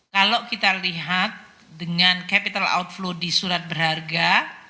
kalau kita lihat dengan capital outflow di surat berharga